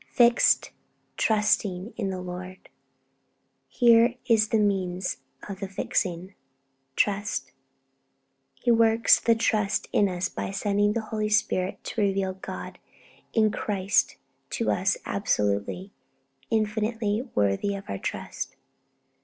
'Fixed, trusting in the Lord.' Here is the means of the fixing trust. He works the trust in us by sending the Holy Spirit to reveal God in Christ to us as absolutely, infinitely worthy of our trust.